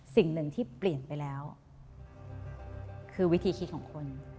สิ่งหนึ่งที่เปลี่ยนไปแล้วคือวิธีคิดของคน